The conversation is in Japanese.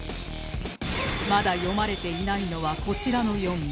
まだ詠まれていないのはこちらの４名